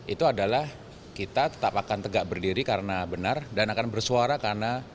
itu adalah kita tetap akan tegak berdiri karena benar dan akan bersuara karena